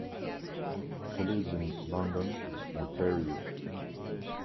She lives in London, Ontario.